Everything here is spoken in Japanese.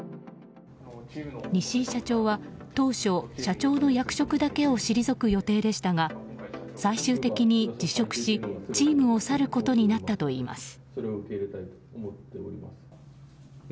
西井社長は当初社長の役職だけを退く予定でしたが最終的に辞職しチームを去ることになったといいます。